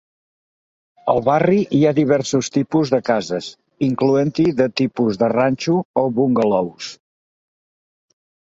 Al barri hi ha diversos tipus de cases, incloent-hi de tipus de ranxo i bungalous.